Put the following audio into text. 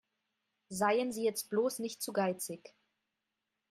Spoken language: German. Seien Sie jetzt bloß nicht zu geizig.